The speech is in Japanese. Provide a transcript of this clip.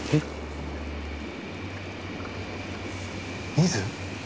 ミズ？